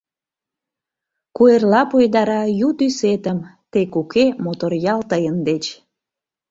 Куэрла пойдара ю тӱсетым, Тек уке мотор ял тыйын деч.